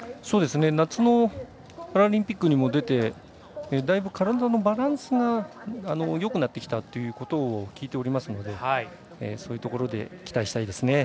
夏のパラリンピックにも出てだいぶ、体のバランスがよくなってきたことを聞いておりますのでそういうところで期待したいです。